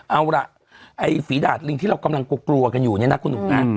เอาล่ะไอ้ฝีดาดลิงที่เรากำลังกลัวกันอยู่เนี่ยนะคุณหนุ่มนะ